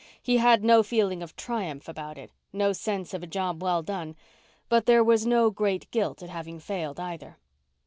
He had no feeling of triumph about it; no sense of a job well done. But there was no great guilt at having failed, either.